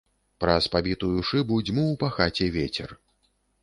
Праз пабітую шыбу дзьмуў па хаце вецер.